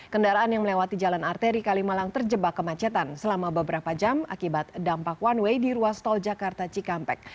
kendaraan yang melewati jalan arteri kalimalang terjebak kemacetan selama beberapa jam akibat dampak one way di ruas tol jakarta cikampek